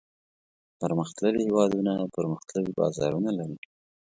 پرمختللي هېوادونه پرمختللي بازارونه لري.